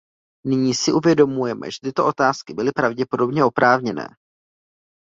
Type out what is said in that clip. Nyní si uvědomujeme, že tyto otázky byly pravděpodobně oprávněné.